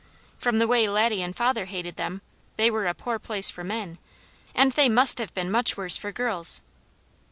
From the way Laddie and father hated them, they were a poor place for men, and they must have been much worse for girls.